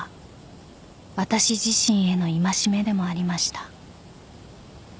私自身への戒めでもありました］